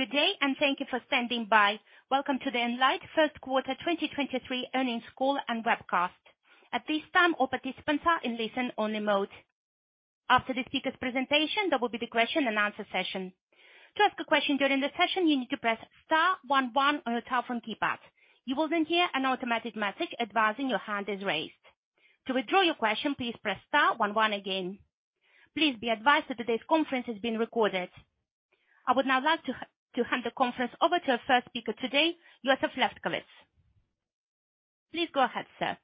Good day, and thank you for standing by. Welcome to the Enlight first quarter 2023 Earnings Call and webcast. At this time, all participants are in listen-only mode. After the speaker's presentation, there will be the question and answer session. To ask a question during the session, you need to press star 11 on your telephone keypad. You will then hear an automatic message advising your hand is raised. To withdraw your question, please press star 11 again. Please be advised that today's conference is being recorded. I would now like to hand the conference over to our first speaker today, Yosef Lefkovitz. Please go ahead, sir.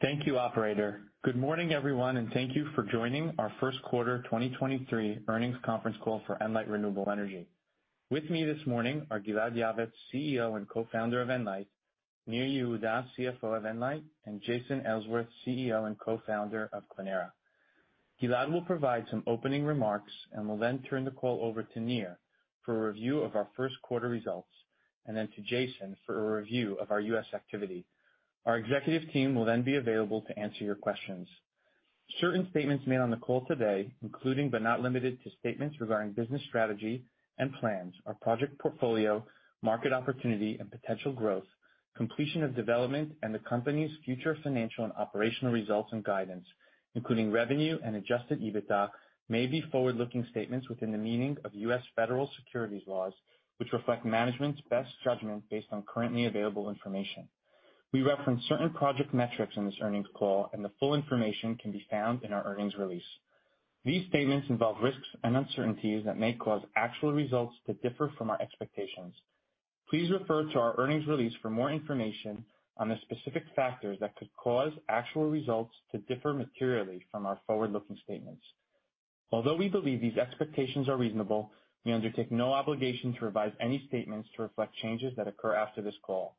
Thank you, operator. Good morning, everyone. Thank you for joining our first quarter 2023 Earnings Conference Call for Enlight Renewable Energy. With me this morning are Gilad Yavetz, CEO and co-founder of Enlight, Nir Yehuda, CFO of Enlight, and Jason Ellsworth, CEO and co-founder of Clēnera. Gilad will provide some opening remarks and will then turn the call over to Nir for a review of our first quarter results, and then to Jason for a review of our U.S. activity. Our executive team will be available to answer your questions. Certain statements made on the call today, including but not limited to statements regarding business strategy and plans, our project portfolio, market opportunity and potential growth, completion of development, and the company's future financial and operational results and guidance, including revenue and Adjusted EBITDA, may be forward-looking statements within the meaning of U.S. federal securities laws, which reflect management's best judgment based on currently available information. We reference certain project metrics in this earnings call, and the full information can be found in our earnings release. These statements involve risks and uncertainties that may cause actual results to differ from our expectations. Please refer to our earnings release for more information on the specific factors that could cause actual results to differ materially from our forward-looking statements. Although we believe these expectations are reasonable, we undertake no obligation to revise any statements to reflect changes that occur after this call.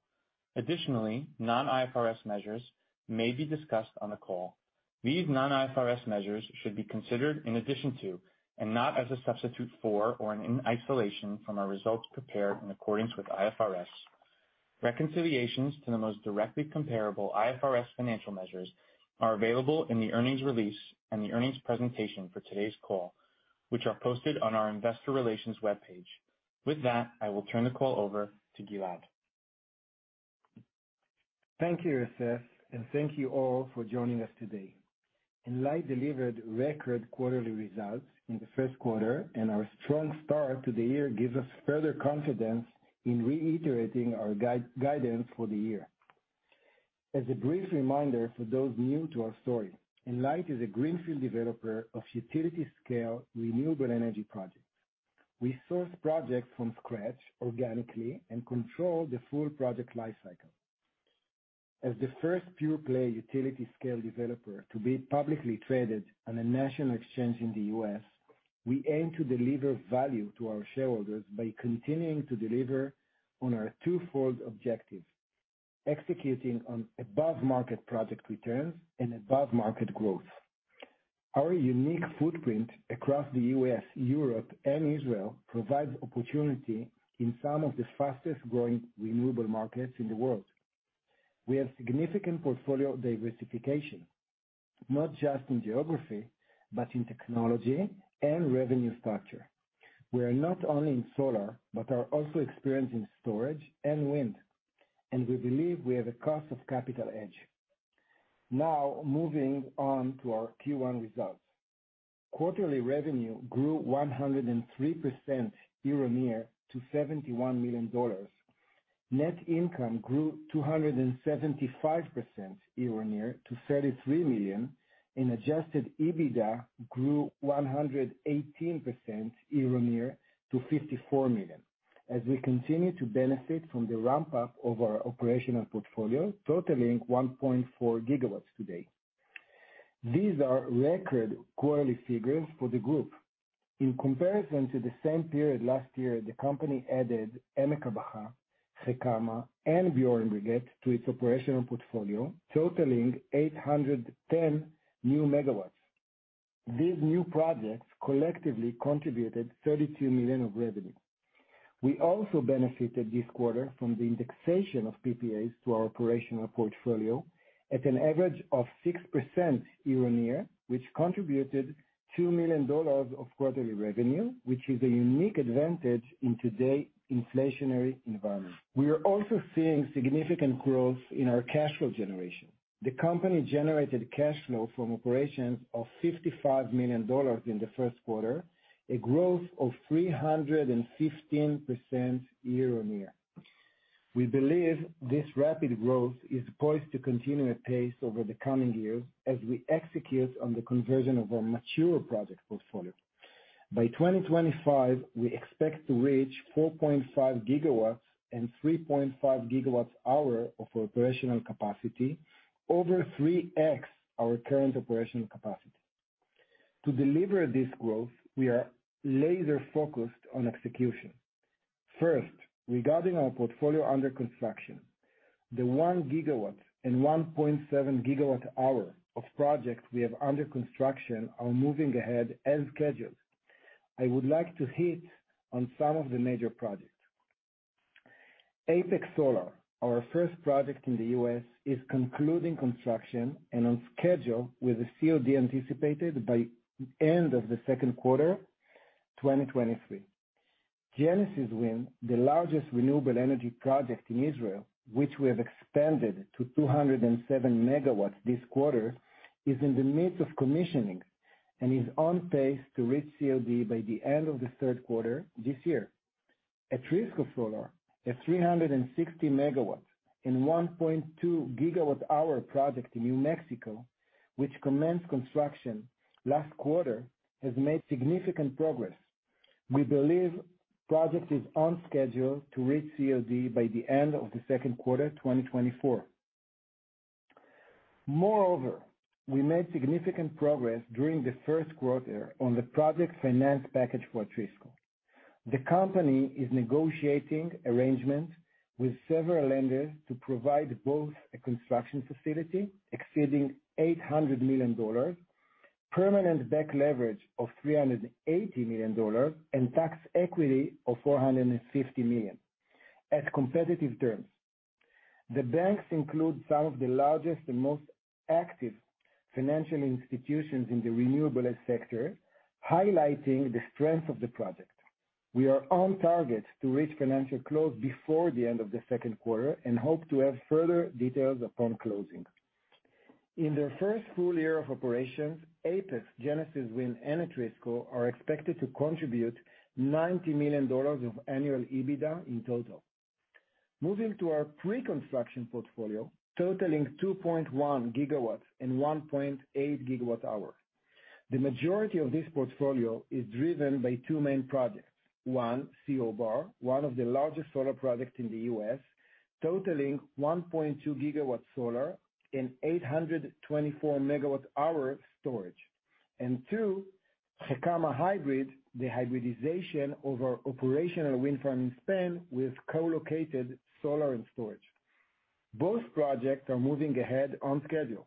Additionally, non-IFRS measures may be discussed on the call. These non-IFRS measures should be considered in addition to and not as a substitute for or in isolation from our results prepared in accordance with IFRS. Reconciliations to the most directly comparable IFRS financial measures are available in the earnings release and the earnings presentation for today's call, which are posted on our investor relations webpage. With that, I will turn the call over to Gilad. Thank you, Yosef, and thank you all for joining us today. Enlight delivered record quarterly results in the first quarter, and our strong start to the year gives us further confidence in reiterating our guidance for the year. As a brief reminder for those new to our story, Enlight is a greenfield developer of utility-scale renewable energy projects. We source projects from scratch organically and control the full project life cycle. As the first pure play utility scale developer to be publicly traded on a national exchange in the U.S., we aim to deliver value to our shareholders by continuing to deliver on our twofold objective, executing on above market project returns and above market growth. Our unique footprint across the U.S., Europe, and Israel provides opportunity in some of the fastest-growing renewable markets in the world. We have significant portfolio diversification, not just in geography, but in technology and revenue structure. We are not only in solar but are also experienced in storage and wind, and we believe we have a cost of capital edge. Now moving on to our Q1 results. Quarterly revenue grew 103% year-on-year to $71 million. Net income grew 275% year-on-year to $33 million. Adjusted EBITDA grew 118% year-on-year to $54 million. As we continue to benefit from the ramp-up of our operational portfolio, totaling 1.4 GW today. These are record quarterly figures for the group. In comparison to the same period last year, the company added Emek Habacha, Beit Shikma, and Björnberget to its operational portfolio, totaling 810 new MW. These new projects collectively contributed $32 million of revenue. We also benefited this quarter from the indexation of PPAs to our operational portfolio at an average of 6% year-on-year, which contributed $2 million of quarterly revenue, which is a unique advantage in today's inflationary environment. We are also seeing significant growth in our cash flow generation. The company generated cash flow from operations of $55 million in the first quarter, a growth of 315% year-on-year. We believe this rapid growth is poised to continue at pace over the coming years as we execute on the conversion of our mature project portfolio. By 2025, we expect to reach 4.5 GW and 3.5 GWh of operational capacity, over 3x our current operational capacity. To deliver this growth, we are laser-focused on execution. First, regarding our portfolio under construction, the 1 GW and 1.7 GW hour of projects we have under construction are moving ahead as scheduled. I would like to hit on some of the major projects. Apex Solar, our first project in the U.S., is concluding construction and on schedule with a COD anticipated by end of the second quarter, 2023. Genesis Wind, the largest renewable energy project in Israel, which we have expanded to 207 MW this quarter, is in the midst of commissioning and is on pace to reach COD by the end of the third quarter this year. Atrisco Solar, a 360 MW and 1.2 GW hour project in New Mexico, which commenced construction last quarter, has made significant progress. We believe project is on schedule to reach COD by the end of the second quarter, 2024. We made significant progress during the first quarter on the project finance package for Atrisco. The company is negotiating arrangements with several lenders to provide both a construction facility exceeding $800 million, permanent back leverage of $380 million, and tax equity of $450 million at competitive terms. The banks include some of the largest and most active financial institutions in the renewable sector, highlighting the strength of the project. We are on target to reach financial close before the end of the second quarter and hope to have further details upon closing. In their first full year of operations, Apex, Genesis Wind, and Atrisco are expected to contribute $90 million of annual EBITDA in total. Moving to our pre-construction portfolio, totaling 2.1 GW and 1.8 GW hours. The majority of this portfolio is driven by two main projects. One, CO Bar, one of the largest solar projects in the U.S., totaling 1.2 GW solar and 824 MWh storage. Two, Gecama Hybrid, the hybridization of our operational wind farm in Spain with co-located solar and storage. Both projects are moving ahead on schedule.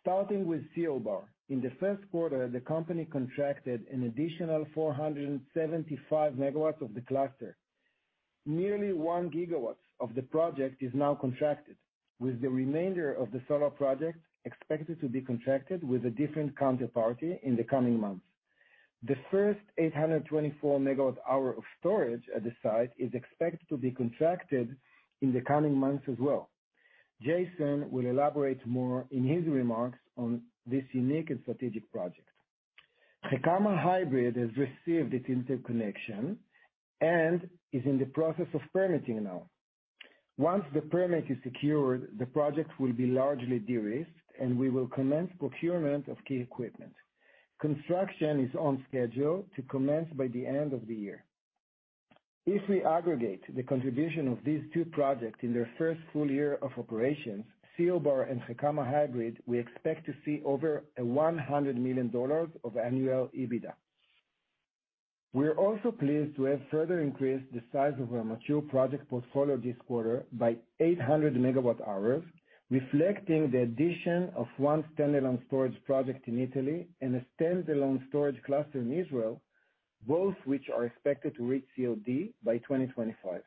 Starting with CBar. In the first quarter, the company contracted an additional 475 MW of the cluster. Nearly 1 GW of the project is now contracted, with the remainder of the solar project expected to be contracted with a different counterparty in the coming months. The first 824 MWh of storage at the site is expected to be contracted in the coming months as well. Jason will elaborate more in his remarks on this unique and strategic project. Gecama Hybrid has received its interconnection and is in the process of permitting now. Once the permit is secured, the project will be largely de-risked, and we will commence procurement of key equipment. Construction is on schedule to commence by the end of the year. If we aggregate the contribution of these two projects in their first full year of operations, CO Bar and Gecama Hybrid, we expect to see over $100 million of annual EBITDA. We are also pleased to have further increased the size of our mature project portfolio this quarter by 800 MWh, reflecting the addition of one standalone storage project in Italy and a standalone storage cluster in Israel, both which are expected to reach COD by 2025.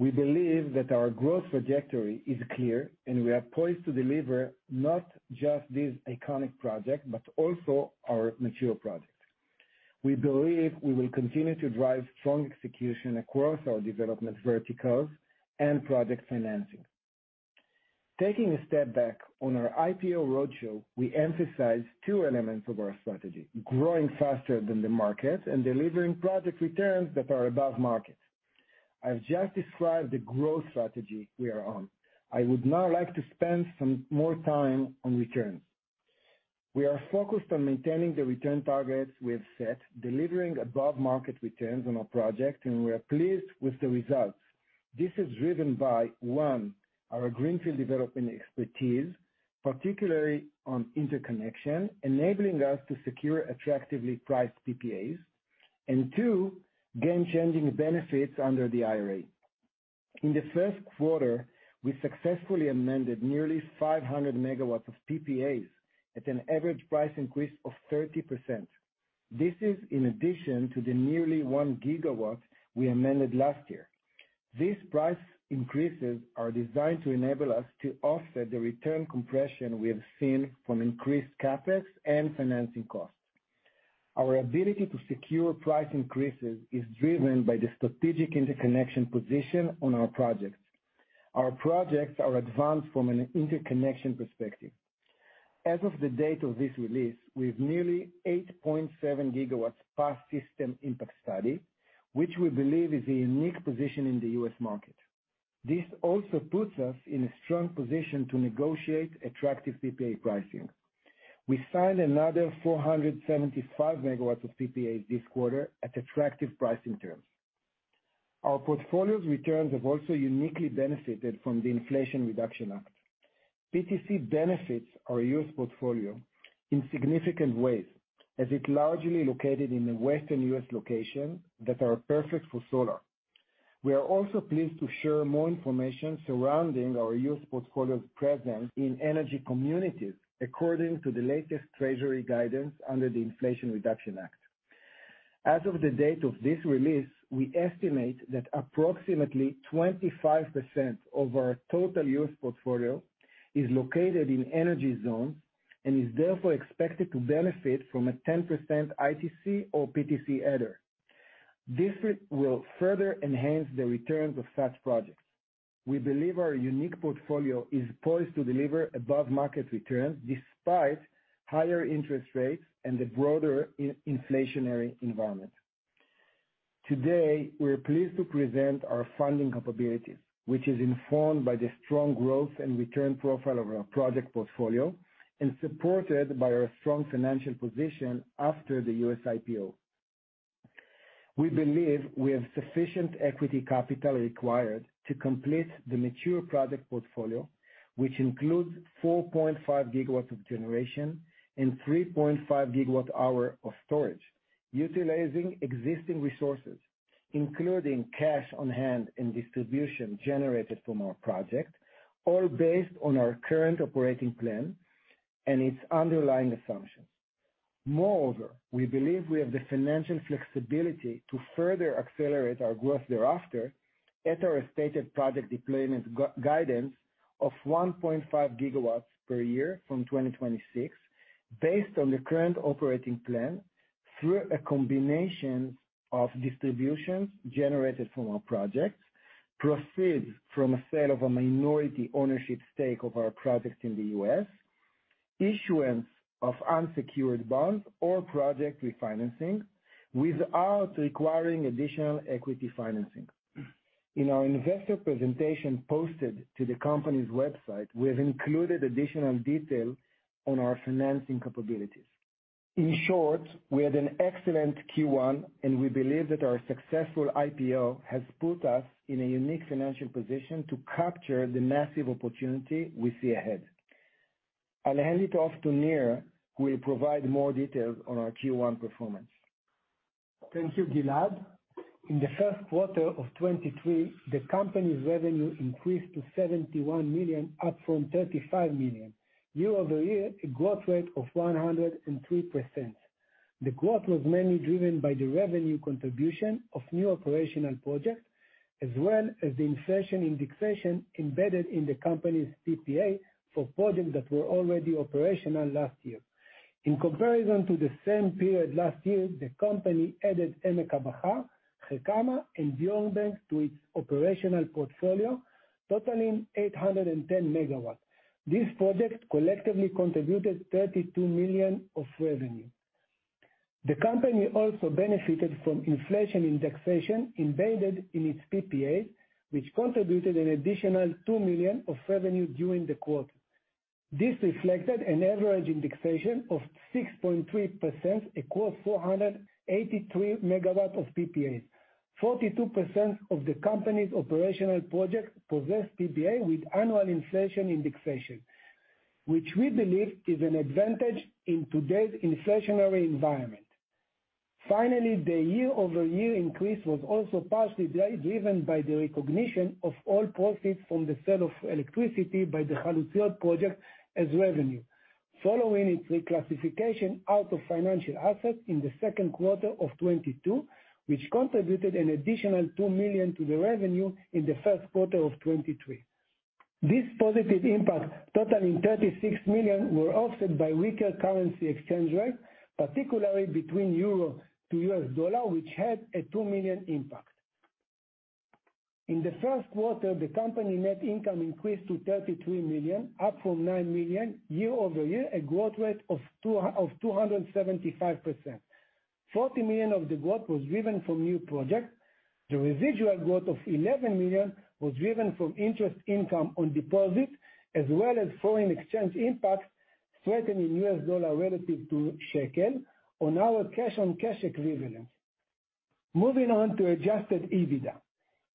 We believe that our growth trajectory is clear, and we are poised to deliver not just this iconic project, but also our mature projects. We believe we will continue to drive strong execution across our development verticals and project financing. Taking a step back on our IPO roadshow, we emphasize two elements of our strategy, growing faster than the market and delivering project returns that are above market. I've just described the growth strategy we are on. I would now like to spend some more time on returns. We are focused on maintaining the return targets we have set, delivering above market returns on our projects, and we are pleased with the results. This is driven by, one, our greenfield development expertise, particularly on interconnection, enabling us to secure attractively priced PPAs. And two, game-changing benefits under the IRA. In the first quarter, we successfully amended nearly 500 MW of PPAs at an average price increase of 30%. This is in addition to the nearly 1 GW we amended last year. These price increases are designed to enable us to offset the return compression we have seen from increased CapEx and financing costs. Our ability to secure price increases is driven by the strategic interconnection position on our projects. Our projects are advanced from an interconnection perspective. As of the date of this release, we have nearly 8.7 GW past system impact study, which we believe is a unique position in the U.S. market. This also puts us in a strong position to negotiate attractive PPA pricing. We signed another 475 MW of PPAs this quarter at attractive pricing terms. Our portfolio's returns have also uniquely benefited from the Inflation Reduction Act. PTC benefits our U.S. portfolio in significant ways, as it's largely located in the Western U.S. location that are perfect for solar. We are also pleased to share more information surrounding our U.S. portfolio's presence in energy communities according to the latest Treasury guidance under the Inflation Reduction Act. As of the date of this release, we estimate that approximately 25% of our total use portfolio is located in energy zone and is therefore expected to benefit from a 10% ITC or PTC adder. This will further enhance the returns of such projects. We believe our unique portfolio is poised to deliver above-market returns despite higher interest rates and the broader in-inflationary environment. Today, we're pleased to present our funding capabilities, which is informed by the strong growth and return profile of our project portfolio and supported by our strong financial position after the U.S. IPO. We believe we have sufficient equity capital required to complete the mature project portfolio, which includes 4.5 GW of generation and 3.5 GW-hour of storage, utilizing existing resources, including cash on hand and distribution generated from our project, all based on our current operating plan and its underlying assumptions. Moreover, we believe we have the financial flexibility to further accelerate our growth thereafter at our stated project deployment guidance of 1.5 GW per year from 2026 based on the current operating plan through a combination of distributions generated from our projects, proceeds from a sale of a minority ownership stake of our projects in the U.S., issuance of unsecured bonds or project refinancing without requiring additional equity financing. In our investor presentation posted to the company's website, we have included additional detail on our financing capabilities. In short, we had an excellent Q1, and we believe that our successful IPO has put us in a unique financial position to capture the massive opportunity we see ahead. I'll hand it off to Nir, who will provide more details on our Q1 performance. Thank you, Gilad. In the first quarter of 2023, the company's revenue increased to $71 million, up from $35 million, year-over-year a growth rate of 103%. The growth was mainly driven by the revenue contribution of new operational projects, as well as the inflation indexation embedded in the company's PPA for projects that were already operational last year. In comparison to the same period last year, the company added Emek Habacha, Gecama, and Björnberget to its operational portfolio, totaling 810 MW. These projects collectively contributed $32 million of revenue. The company also benefited from inflation indexation embedded in its PPA, which contributed an additional $2 million of revenue during the quarter. This reflected an average indexation of 6.3% across 483 MW of PPAs. 42% of the company's operational projects possess PPA with annual inflation indexation, which we believe is an advantage in today's inflationary environment. The year-over-year increase was also partially driven by the recognition of all profits from the sale of electricity by the Halutzit project as revenue, following its reclassification out of financial assets in the second quarter of 2022, which contributed an additional $2 million to the revenue in the first quarter of 2023. This positive impact, totaling $36 million, were offset by weaker currency exchange rates, particularly between euro to US dollar, which had a $2 million impact. In the first quarter, the company net income increased to $33 million, up from $9 million year-over-year, a growth rate of 275%. $40 million of the growth was driven from new projects. The residual growth of $11 million was driven from interest income on deposits, as well as foreign exchange impacts strengthening US dollar relative to shekel on our cash-on-cash equivalence. Moving on to Adjusted EBITDA.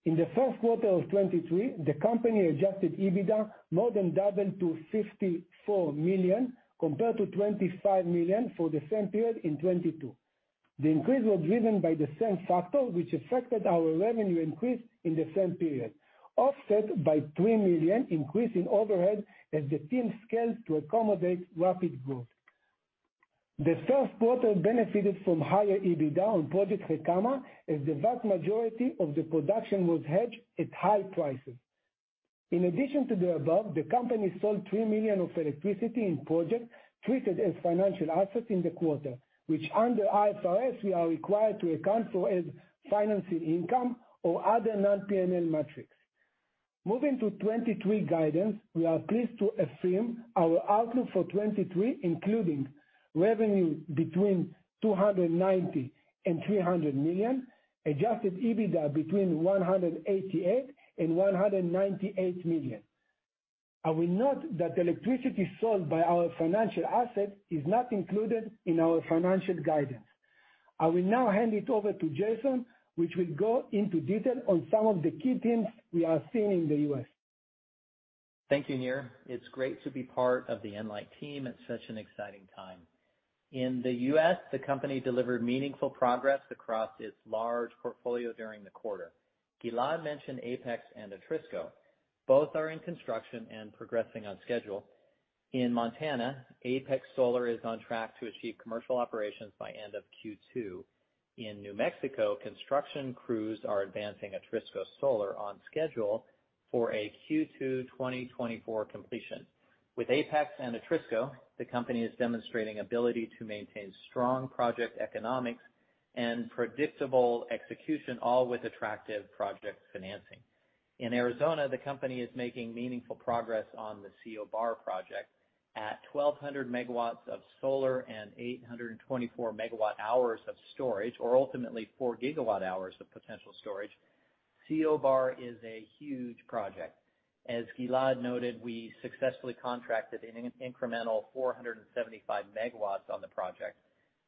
In the first quarter of 2023, the company Adjusted EBITDA more than doubled to $54 million compared to $25 million for the same period in 2022. The increase was driven by the same factor which affected our revenue increase in the same period, offset by $3 million increase in overhead as the team scaled to accommodate rapid growth. The first quarter benefited from higher EBITDA on project Gecama, as the vast majority of the production was hedged at high prices. In addition to the above, the company sold $3 million of electricity in projects treated as financial assets in the quarter, which under IFRS we are required to account for as financing income or other non-P&L metrics. Moving to 2023 guidance, we are pleased to affirm our outlook for 2023, including revenue between $290 million and $300 million, Adjusted EBITDA between $188 million and $198 million. I will note that electricity sold by our financial asset is not included in our financial guidance. I will now hand it over to Jason, which will go into detail on some of the key themes we are seeing in the U.S. Thank you, Nir. It's great to be part of the Enlight team at such an exciting time. In the U.S., the company delivered meaningful progress across its large portfolio during the quarter. Gilad mentioned Apex and Atrisco. Both are in construction and progressing on schedule. In Montana, Apex Solar is on track to achieve commercial operations by end of Q2. In New Mexico, construction crews are advancing Atrisco Solar on schedule for a Q2 2024 completion. With Apex and Atrisco, the company is demonstrating ability to maintain strong project economics and predictable execution, all with attractive project financing. In Arizona, the company is making meaningful progress on the CO Bar project. At 1,200 MW of solar and 824 MW hours of storage, or ultimately 4 GW hours of potential storage, CO Bar is a huge project. As Gilad noted, we successfully contracted an incremental 475 MW on the project,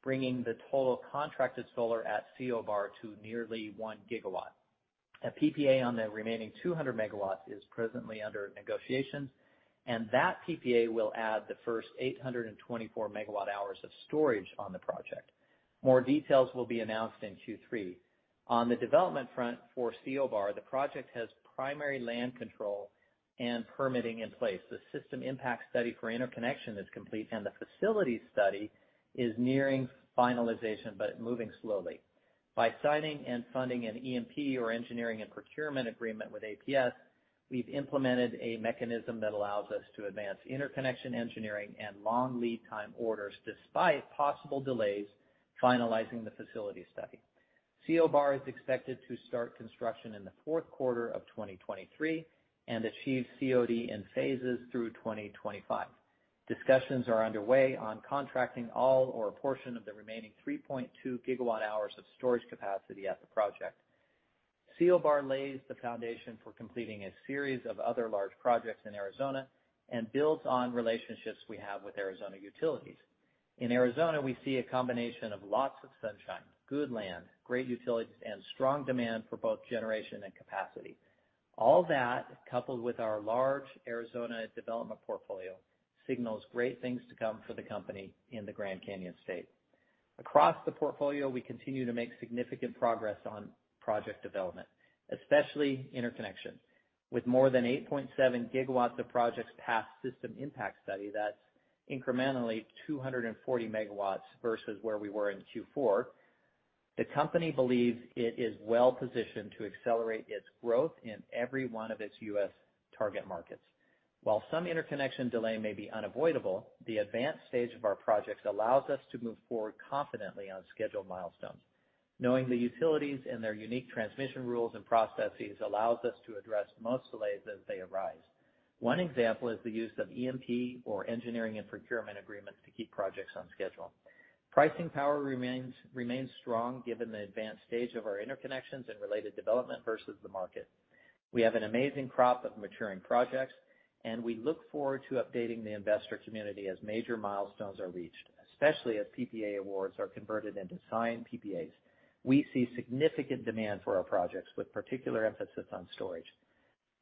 bringing the total contracted solar at CO Bar to nearly 1 GW. A PPA on the remaining 200 MW is presently under negotiation, and that PPA will add the first 824 MW hours of storage on the project. More details will be announced in Q3. On the development front for CO Bar, the project has primary land control and permitting in place. The system impact study for interconnection is complete, and the facilities study is nearing finalization but moving slowly. By signing and funding an EMP or engineering and procurement agreement with APS, we've implemented a mechanism that allows us to advance interconnection engineering and long lead time orders despite possible delays finalizing the facility study. CO Bar is expected to start construction in the fourth quarter of 2023 and achieve COD in phases through 2025. Discussions are underway on contracting all or a portion of the remaining 3.2 GW hours of storage capacity at the project. CO Bar lays the foundation for completing a series of other large projects in Arizona and builds on relationships we have with Arizona utilities. In Arizona, we see a combination of lots of sunshine, good land, great utilities, and strong demand for both generation and capacity. All that, coupled with our large Arizona development portfolio, signals great things to come for the company in the Grand Canyon State. Across the portfolio, we continue to make significant progress on project development, especially interconnection. With more than 8.7 GW of projects past system impact study, that's incrementally 240 MW versus where we were in Q4, the company believes it is well-positioned to accelerate its growth in every one of its U.S. target markets. While some interconnection delay may be unavoidable, the advanced stage of our projects allows us to move forward confidently on scheduled milestones. Knowing the utilities and their unique transmission rules and processes allows us to address most delays as they arise. One example is the use of EMP or engineering and procurement agreements to keep projects on schedule. Pricing power remains strong given the advanced stage of our interconnections and related development versus the market. We have an amazing crop of maturing projects. We look forward to updating the investor community as major milestones are reached, especially as PPA awards are converted into signed PPAs. We see significant demand for our projects, with particular emphasis on storage.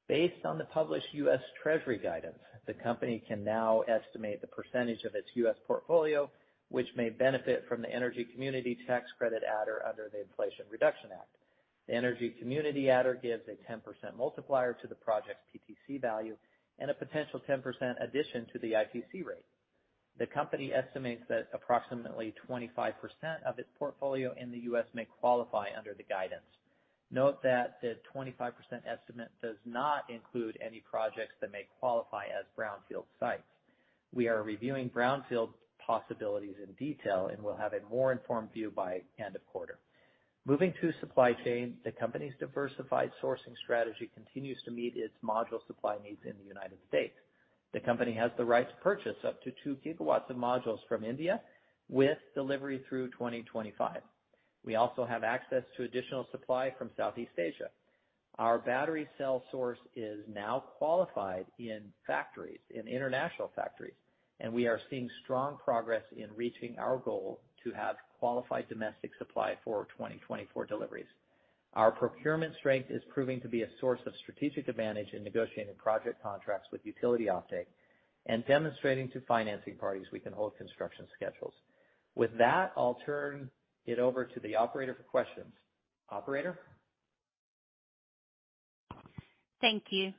Based on the published U.S. Treasury guidance, the company can now estimate the percentage of its U.S. portfolio, which may benefit from the energy community tax credit adder under the Inflation Reduction Act. The energy community adder gives a 10% multiplier to the project's PTC value and a potential 10% addition to the ITC rate. The company estimates that approximately 25% of its portfolio in the U.S. may qualify under the guidance. Note that the 25% estimate does not include any projects that may qualify as brownfield sites. We are reviewing brownfield possibilities in detail and will have a more informed view by end of quarter. Moving to supply chain, the company's diversified sourcing strategy continues to meet its module supply needs in the United States. The company has the right to purchase up to 2 GW of modules from India with delivery through 2025. We also have access to additional supply from Southeast Asia. Our battery cell source is now qualified in factories, in international factories, and we are seeing strong progress in reaching our goal to have qualified domestic supply for 2024 deliveries. Our procurement strength is proving to be a source of strategic advantage in negotiating project contracts with utility offtake and demonstrating to financing parties we can hold construction schedules. With that, I'll turn it over to the operator for questions. Operator? Thank you.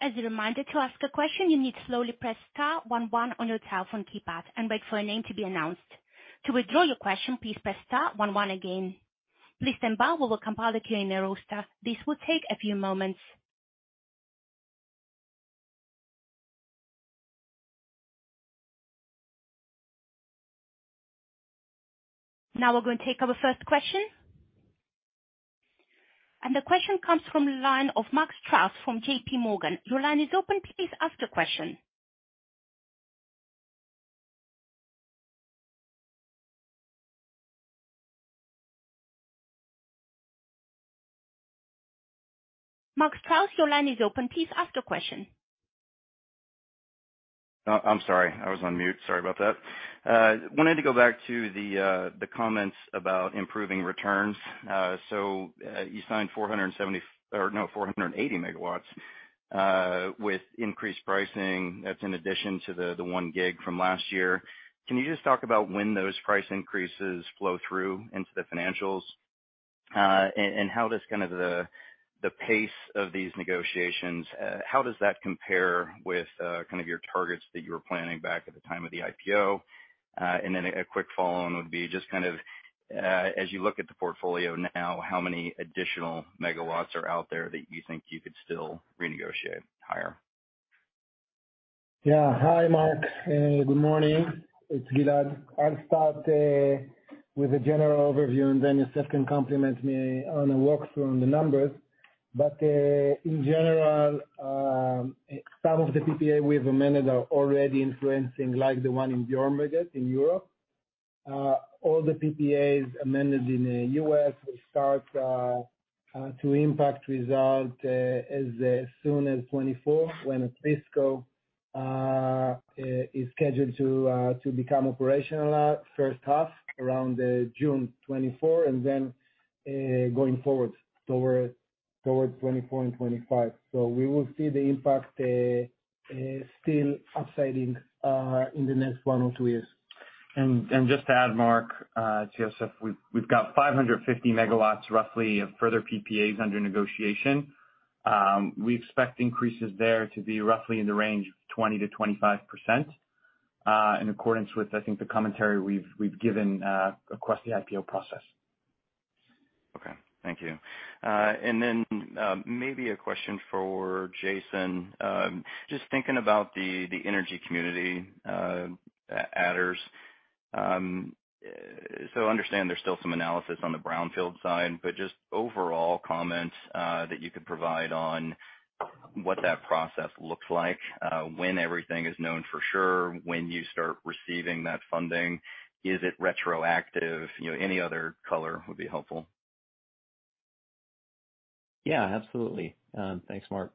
As a reminder, to ask a question, you need to slowly press star one one on your telephone keypad and wait for a name to be announced. To withdraw your question, please press star one one again. Please stand by. We will compile the Q&A roster. This will take a few moments. Now we're going to take our first question. The question comes from the line of Mark Strouse from J.P. Morgan. Your line is open. Please ask your question. Mark Strouse, your line is open. Please ask your question. I'm sorry. I was on mute. Sorry about that. Wanted to go back to the comments about improving returns. You signed 470, or no, 480 MW with increased pricing. That's in addition to the 1 gig from last year. Can you just talk about when those price increases flow through into the financials? How does kind of the pace of these negotiations compare with kind of your targets that you were planning back at the time of the IPO? A quick follow-on would be just kind of as you look at the portfolio now, how many additional MW are out there that you think you could still renegotiate higher? Yeah. Hi, Mark. Good morning. It's Gilad. I'll start with a general overview, and then Yosef can compliment me on a walk-through on the numbers. In general, some of the PPA we've amended are already influencing, like the one in Björnberget in Europe. All the PPAs amended in the U.S. will start to impact result as soon as 2024, when Atrisco is scheduled to become operational, first half around June 2024, and then going forward towards 2024 and 2025. We will see the impact still upsiding in the next one or two years. Just to add, Mark, to Yosef, we've got 550 MW roughly of further PPAs under negotiation. We expect increases there to be roughly in the range of 20%-25%, in accordance with, I think, the commentary we've given across the IPO process. Okay. Thank you. Maybe a question for Jason. Just thinking about the energy community adders. I understand there's still some analysis on the brownfield side, but just overall comments that you could provide on what that process looks like, when everything is known for sure, when you start receiving that funding, is it retroactive? You know, any other color would be helpful. Yeah, absolutely. Thanks, Mark.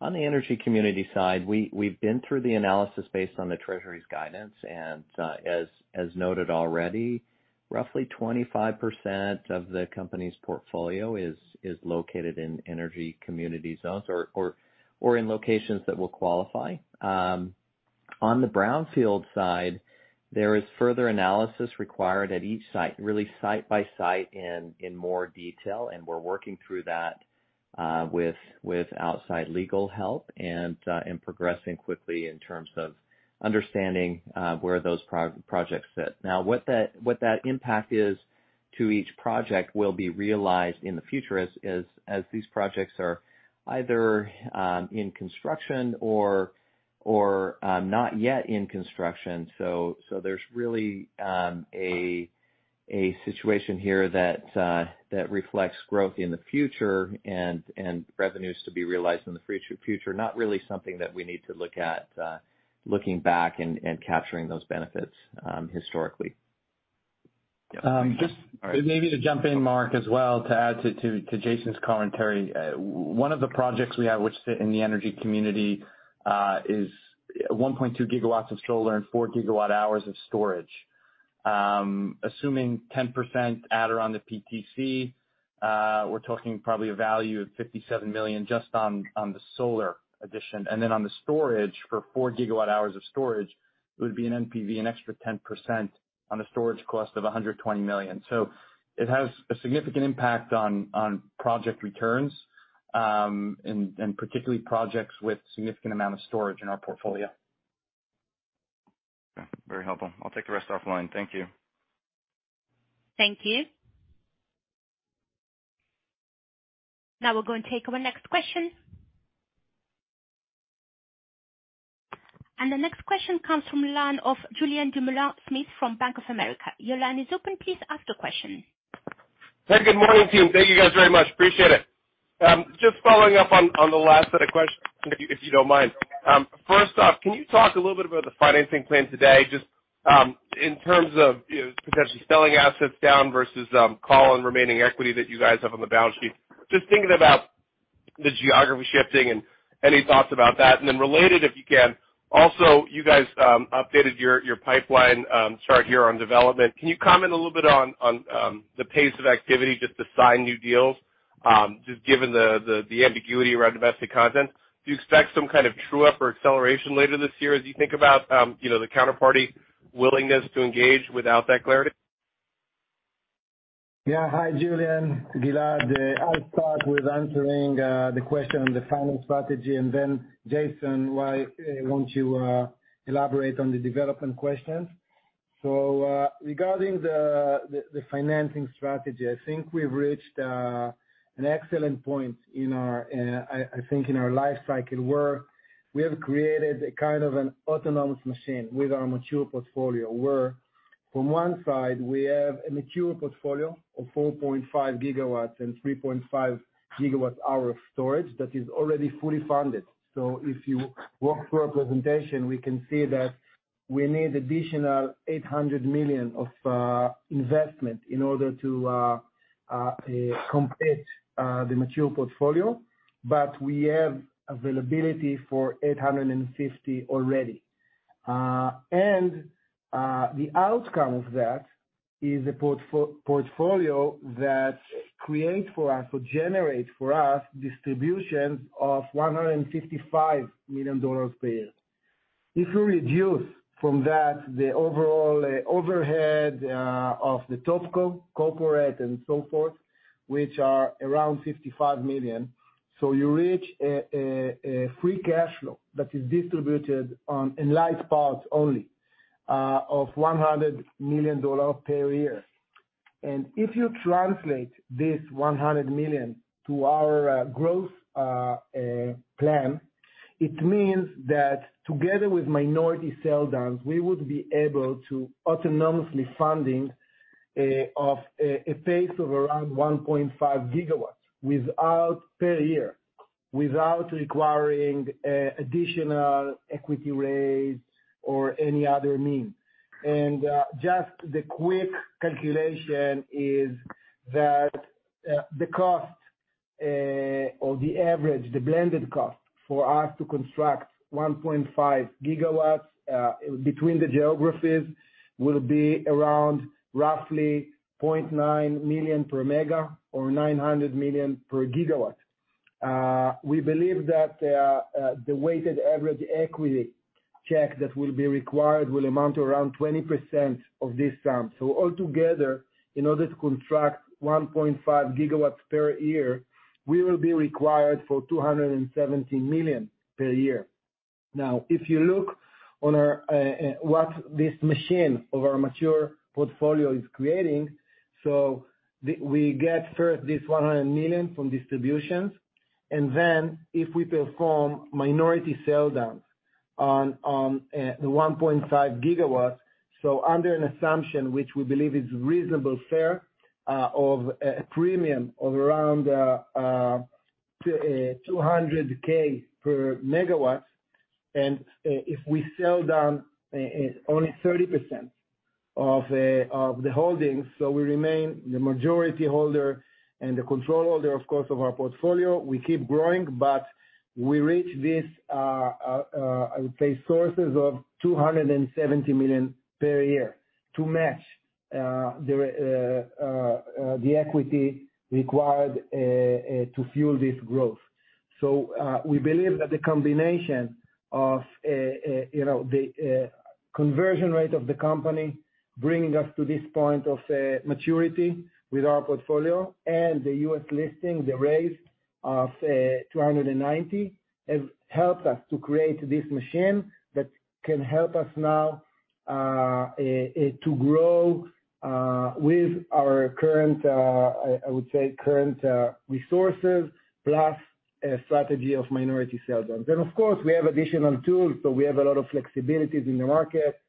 On the Energy Community side, we've been through the analysis based on the Treasury's guidance. As noted already, roughly 25% of the company's portfolio is located in Energy Community zones or in locations that will qualify. On the brownfield side, there is further analysis required at each site, really site by site in more detail, and we're working through that with outside legal help and progressing quickly in terms of understanding where those projects sit. What that impact is to each project will be realized in the future as these projects are either in construction or not yet in construction. There's really a situation here that reflects growth in the future and revenues to be realized in the future. Not really something that we need to look at looking back and capturing those benefits historically. Yeah. All right. Just maybe to jump in, Mark, as well, to add to Jason's commentary. One of the projects we have which sit in the energy community is 1.2 GW of solar and 4 GWh of storage. Assuming 10% adder on the PTC, we're talking probably a value of $57 million just on the solar addition. Then on the storage, for 4 GWh of storage, it would be an NPV, an extra 10% on a storage cost of $120 million. It has a significant impact on project returns, and particularly projects with significant amount of storage in our portfolio. Okay. Very helpful. I'll take the rest offline. Thank you. Thank you. Now we'll go and take our next question. The next question comes from line of Julien Dumoulin-Smith from Bank of America. Your line is open. Please ask your question. Hey, good morning, team. Thank you guys very much. Appreciate it. Just following up on the last set of questions, if you don't mind. First off, can you talk a little bit about the financing plan today, just in terms of, you know, potentially selling assets down versus call on remaining equity that you guys have on the balance sheet? Just thinking about the geography shifting and any thoughts about that. Related, if you can, also, you guys updated your pipeline chart here on development. Can you comment a little bit on the pace of activity just to sign new deals, just given the ambiguity around domestic content? Do you expect some kind of true up or acceleration later this year as you think about, you know, the counterparty willingness to engage without that clarity? Yeah. Hi, Julian. Gilad. I'll start with answering the question on the final strategy, Jason, why don't you elaborate on the development questions? Regarding the, the financing strategy, I think we've reached an excellent point in our, I think in our life cycle, where we have created a kind of an autonomous machine with our mature portfolio. Where from one side we have a mature portfolio of 4.5 GW and 3.5 GW-hour of storage that is already fully funded. If you walk through our presentation, we can see that we need additional $800 million of investment in order to complete the mature portfolio, we have availability for $850 already. The outcome of that is a portfolio that generate for us distributions of $155 million per year. If you reduce from that the overall overhead of the top corporate and so forth, which are around $55 million, so you reach a free cash flow that is distributed in Enlight parts only of $100 million per year. If you translate this $100 million to our growth plan, it means that together with minority sell downs, we would be able to autonomously funding of a pace of around 1.5 GW per year. Without requiring additional equity raise or any other means. Just the quick calculation is that the cost or the average, the blended cost for us to construct 1.5 GW between the geographies will be around roughly $0.9 million per mega or $900 million per GW. We believe that the weighted average equity check that will be required will amount to around 20% of this sum. Altogether, in order to construct 1.5 GW per year, we will be required for $270 million per year. If you look on our what this machine of our mature portfolio is creating, we get first this $100 million from distributions, and then if we perform minority sell downs on the 1.5 GW, under an assumption which we believe is reasonable fair, of a premium of around $200K per MW. If we sell down only 30% of the holdings, we remain the majority holder and the control holder, of course, of our portfolio. We keep growing. We reach this, I would say, sources of $270 million per year to match the equity required to fuel this growth. We believe that the combination of, you know, the conversion rate of the company bringing us to this point of maturity with our portfolio and the U.S. listing, the raise of $290, has helped us to create this machine that can help us now to grow with our current, I would say, current resources plus a strategy of minority sell downs. Of course, we have additional tools, so we have a lot of flexibilities in the market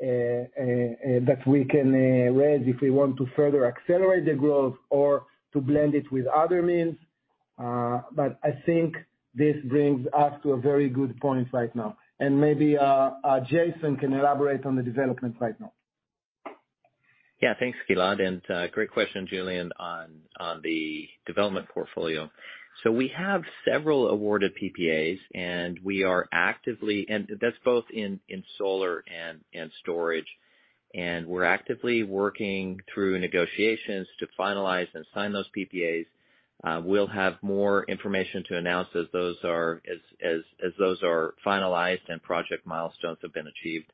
that we can raise if we want to further accelerate the growth or to blend it with other means. I think this brings us to a very good point right now. Maybe Jason can elaborate on the development right now. Yeah. Thanks, Gilad, and great question, Julian, on the development portfolio. We have several awarded PPAs, and we are actively. That's both in solar and storage. We're actively working through negotiations to finalize and sign those PPAs. We'll have more information to announce as those are as those are finalized and project milestones have been achieved.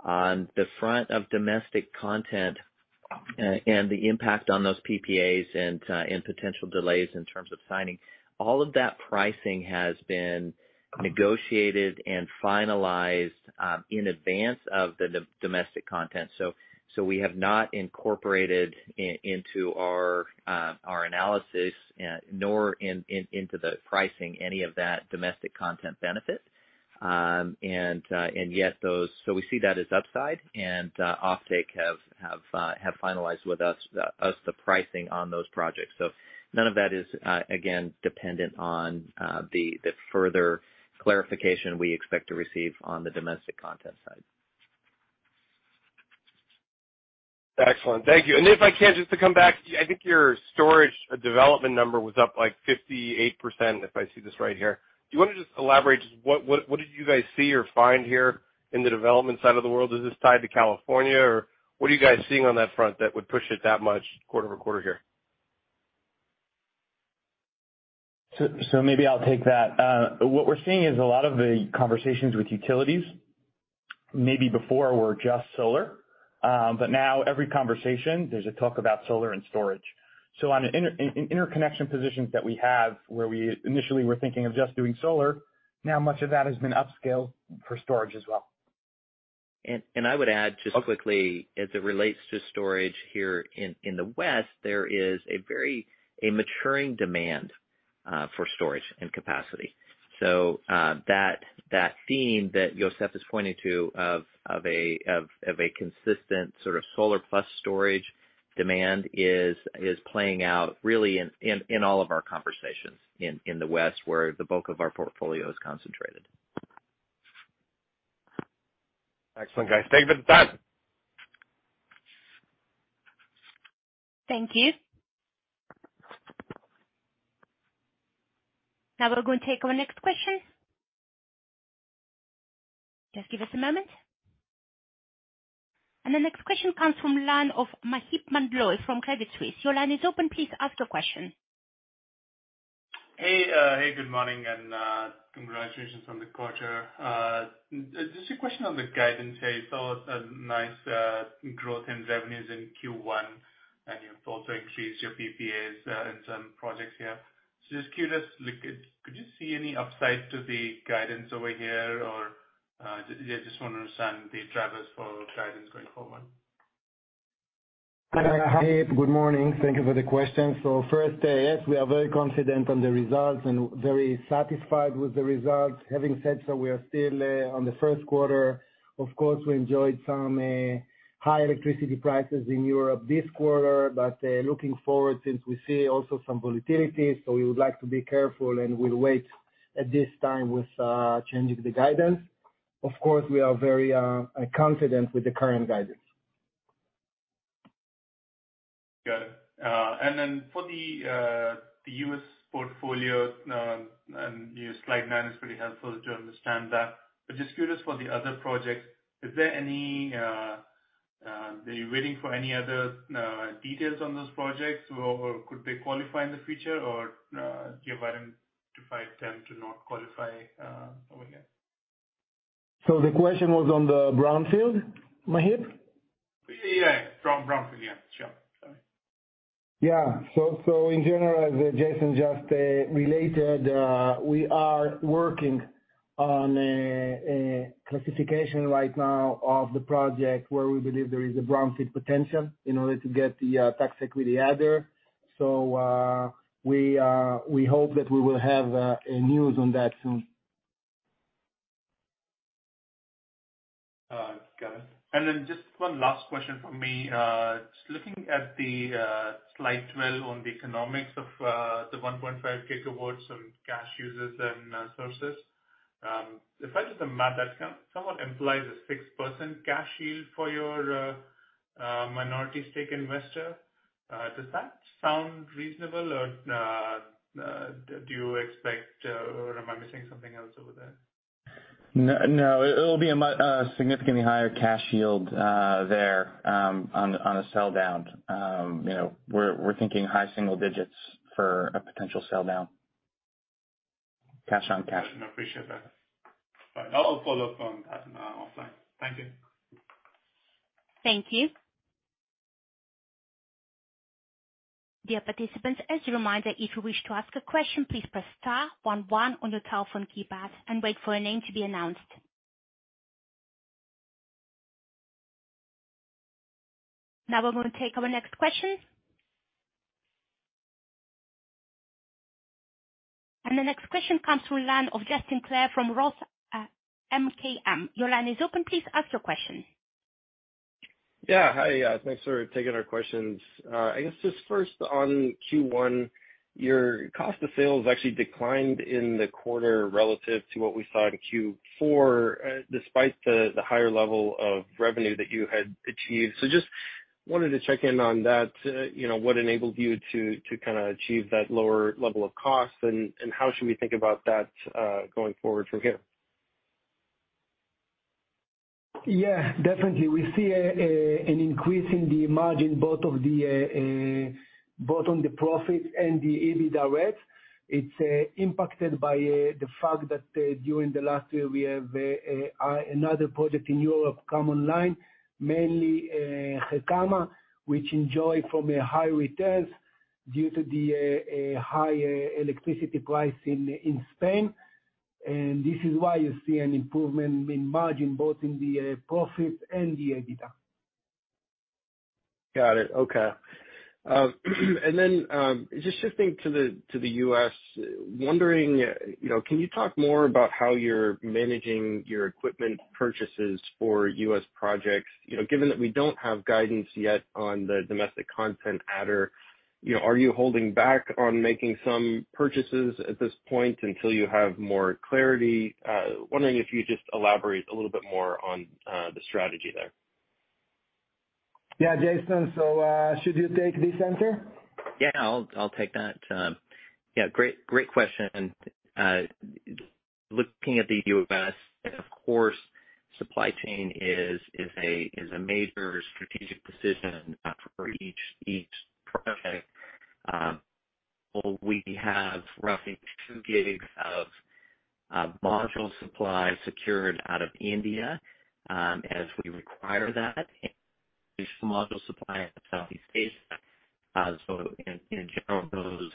On the front of domestic content, and the impact on those PPAs and potential delays in terms of signing, all of that pricing has been negotiated and finalized in advance of the domestic content. We have not incorporated into our analysis, nor into the pricing any of that domestic content benefit. We see that as upside. Offtake have finalized with us the pricing on those projects. None of that is again dependent on the further clarification we expect to receive on the domestic content side. Excellent. Thank you. If I can just to come back, I think your storage development number was up like 58%, if I see this right here. Do you want to just elaborate just what did you guys see or find here in the development side of the world? Is this tied to California, or what are you guys seeing on that front that would push it that much quarter-over-quarter here? Maybe I'll take that. What we're seeing is a lot of the conversations with utilities maybe before were just solar. Now every conversation there's a talk about solar and storage. On an interconnection positions that we have where we initially were thinking of just doing solar, now much of that has been upscaled for storage as well. I would add just quickly as it relates to storage here in the West, there is a maturing demand for storage and capacity. That theme that Yosef is pointing to of a consistent sort of solar plus storage demand is playing out really in all of our conversations in the West, where the bulk of our portfolio is concentrated. Excellent, guys. Thank you for the time. Thank you. Now we'll go and take our next question. Just give us a moment. The next question comes from line of Maheep Mandloi from Credit Suisse. Your line is open. Please ask your question. Hey, hey, good morning and congratulations on the quarter. Just a question on the guidance here. You saw a nice growth in revenues in Q1, and you've also increased your PPAs in some projects here. Just curious, like could you see any upside to the guidance over here or, yeah, just wanna understand the drivers for guidance going forward? Hi, good morning. Thank you for the question. First, yes, we are very confident on the results and very satisfied with the results. Having said that, we are still on the first quarter. Of course, we enjoyed some high electricity prices in Europe this quarter. Looking forward, since we see also some volatility, we would like to be careful and we'll wait at this time with changing the guidance. Of course, we are very confident with the current guidance. Got it. For the U.S. portfolio, your slide nine is pretty helpful to understand that. Just curious for the other projects, is there any are you waiting for any other details on those projects or could they qualify in the future or, do you avoid them to fight them to not qualify over there? The question was on the brownfield, Maheep? Yeah, yeah. brownfield. Yeah, sure. Sorry. Yeah. So in general, as Jason just related, we are working on a classification right now of the project where we believe there is a brownfield potential in order to get the tax equity adder. We hope that we will have a news on that soon. Got it. Just one last question from me. Just looking at the slide 12 on the economics of the 1.5 GW on cash users and sources. If I do the math, that can somewhat implies a 6% cash yield for your minority stake investor. Does that sound reasonable or do you expect or am I missing something else over there? No, no. It'll be a much significantly higher cash yield there on a sell down. You know, we're thinking high single digits for a potential sell down. Cash on cash. I appreciate that. All right. I'll follow up on that offline. Thank you. Thank you. Dear participants, as a reminder, if you wish to ask a question, please press star one one on your telephone keypad and wait for your name to be announced. Now, we're gonna take our next question. The next question comes from line of Justin Clare from Roth MKM. Your line is open. Please ask your question. Yeah. Hi. Thanks for taking our questions. I guess just first on Q1, your cost of sales actually declined in the quarter relative to what we saw in Q4, despite the higher level of revenue that you had achieved. Just wanted to check in on that. You know, what enabled you to kinda achieve that lower level of cost, and how should we think about that going forward from here? Yeah, definitely. We see an increase in the margin, both of the both on the profit and the EBITDA. It's impacted by the fact that during the last year, we have another project in Europe come online, mainly Gecama, which enjoy from a high returns due to the high electricity price in Spain. This is why you see an improvement in margin, both in the profit and the EBITDA. Got it. Okay. Just shifting to the U.S., wondering, you know, can you talk more about how you're managing your equipment purchases for U.S. projects? You know, given that we don't have guidance yet on the domestic content adder, you know, are you holding back on making some purchases at this point until you have more clarity? Wondering if you just elaborate a little bit more on the strategy there. Jason, should you take this answer? I'll take that. Great question. Looking at the U.S., of course, supply chain is a major strategic decision for each project. Well, we have roughly 2 gigs of module supply secured out of India as we require that module supply in Southeast Asia. In general, those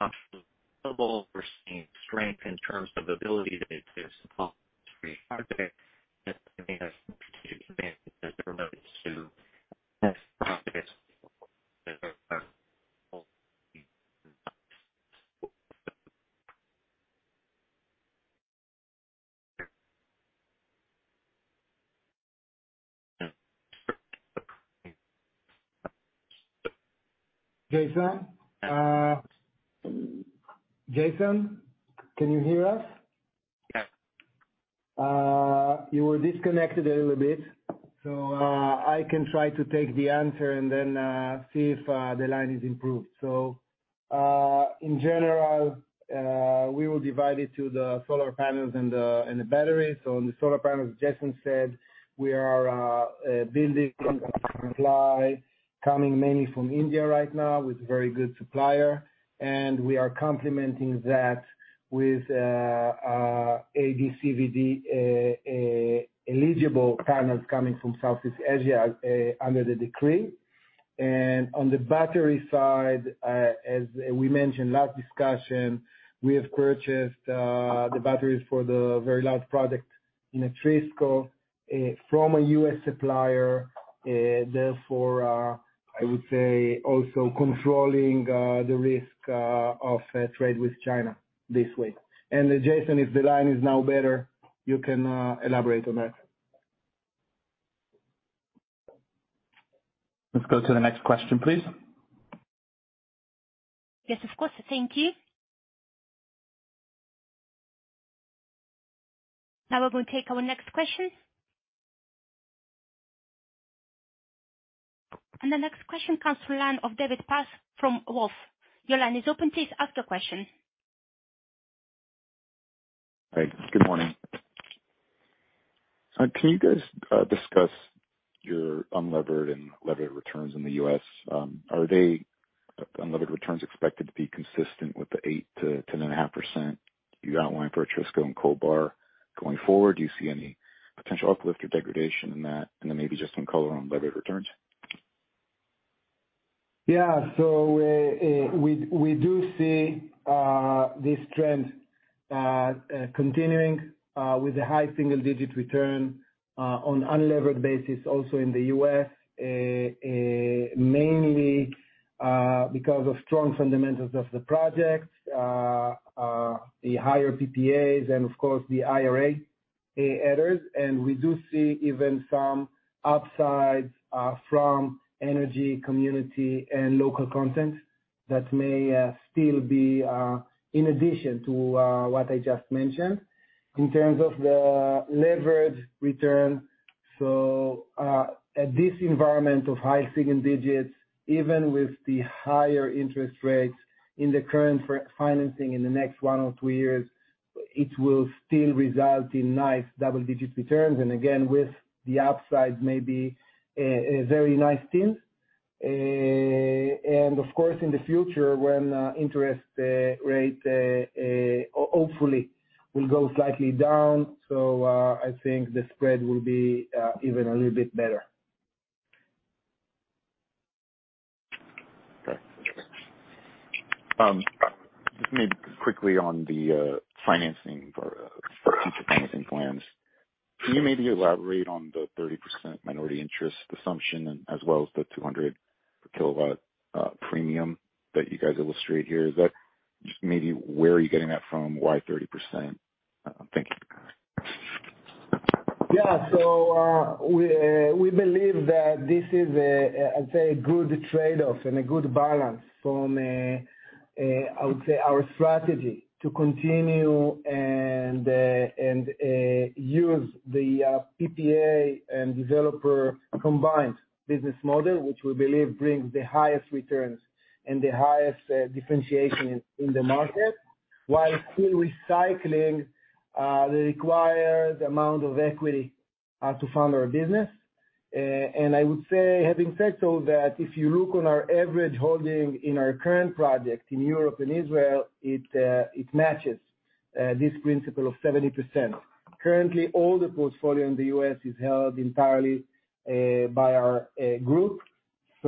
modules available, we're seeing strength in terms of ability to support this project. Jason? Jason, can you hear us? Yes. You were disconnected a little bit, I can try to take the answer and then see if the line is improved. In general, we will divide it to the solar panels and the batteries. On the solar panels, Jason said we are building supply coming mainly from India right now with very good supplier. We are complementing that with ADCVD eligible panels coming from Southeast Asia under the decree. On the battery side, as we mentioned last discussion, we have purchased the batteries for the very large project in Atrisco from a U.S. supplier, therefore, I would say also controlling the risk of trade with China this way. Jason, if the line is now better, you can elaborate on that. Let's go to the next question, please. Yes, of course. Thank you. Now we will take our next question. The next question comes from line of David Pass from Wolfe. Your line is open, please ask your question. Hey, good morning. Can you guys discuss your unlevered and levered returns in the U.S.? Are unlevered returns expected to be consistent with the 8%-10.5% you outlined for Atrisco and CO Bar going forward? Do you see any potential uplift or degradation in that? Maybe just some color on levered returns. We do see this trend continuing with a high single-digit return on unlevered basis also in the U.S., mainly because of strong fundamentals of the project, the higher PPAs and of course the IRA adders. We do see even some upsides from energy community and local content that may still be in addition to what I just mentioned. In terms of the levered return. At this environment of high single-digits, even with the higher interest rates in the current financing in the next one or two years, it will still result in nice double-digit returns. Again, with the upside maybe, a very nice team. Of course, in the future when interest rate, hopefully will go slightly down, I think the spread will be even a little bit better. Just maybe quickly on the financing for future financing plans. Can you maybe elaborate on the 30% minority interest assumption as well as the 200 KW premium that you guys illustrate here? Just maybe where are you getting that from? Why 30%? Thank you. Yeah. We, we believe that this is a good trade-off and a good balance from, I would say our strategy to continue and use the PPA and developer combined business model, which we believe brings the highest returns and the highest differentiation in the market, while still recycling the required amount of equity to fund our business. I would say, having said all that, if you look on our average holding in our current project in Europe and Israel, it matches this principle of 70%. Currently, all the portfolio in the U.S. is held entirely by our group.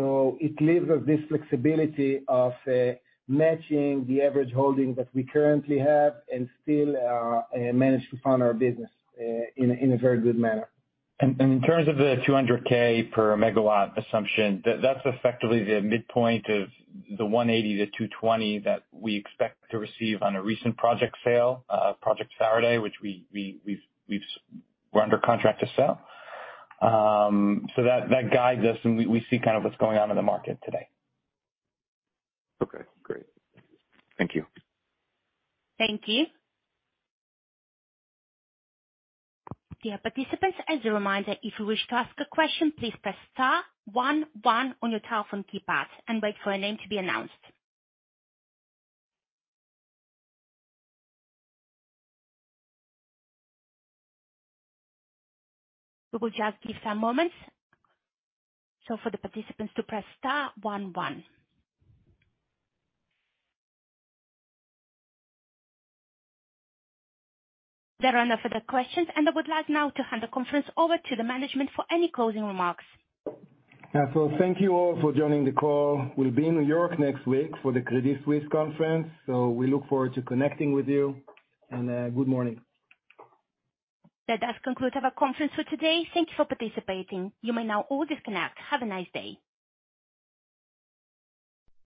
It leaves us this flexibility of matching the average holding that we currently have and still manage to fund our business in a very good manner. In terms of the $200K per MW assumption, that's effectively the midpoint of the $180-$220 that we expect to receive on a recent project sale, Project Serra, which we're under contract to sell. That guides us and we see kind of what's going on in the market today. Okay, great. Thank you. Thank you. Dear participants, as a reminder, if you wish to ask a question, please press star one one on your telephone keypad and wait for a name to be announced. We will just give some moments, so for the participants to press star one one. There are no further questions. I would like now to hand the conference over to the management for any closing remarks. Yeah. Thank you all for joining the call. We'll be in New York next week for the Credit Suisse conference, so we look forward to connecting with you. Good morning. That does conclude our conference for today. Thank you for participating. You may now all disconnect. Have a nice day.